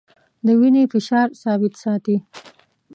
د وینې فشار ثابت ساتي.